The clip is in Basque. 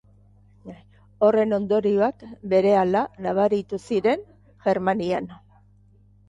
Horren ondorioak berehala nabaritu ziren Germanian.